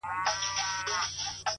دا عجيبه ده د سوق اور يې و لحد ته وړئ!